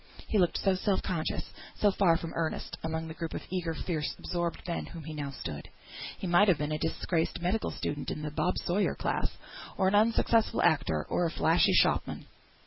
He looked so self conscious, so far from earnest, among the group of eager, fierce, absorbed men, among whom he now stood. He might have been a disgraced medical student of the Bob Sawyer class, or an unsuccessful actor, or a flashy shopman.